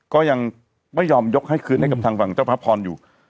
ก็ยังไม่ยอมยกให้คืนให้กับทางฝั่งเจ้าพระพรอยู่